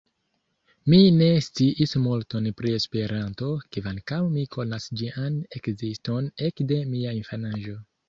Mi ne sciis multon pri Esperanto, kvankam mi konas ĝian ekziston ekde mia infanaĝo.